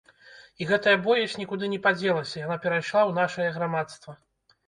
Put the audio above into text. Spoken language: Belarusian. І гэтая боязь нікуды не падзелася, яна перайшла ў нашае грамадства.